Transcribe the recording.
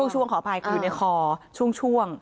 ช่วงขออภัยอยู่ในคอช่วง